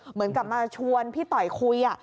เหมือนกับมาชวนพี่ต่อยคุย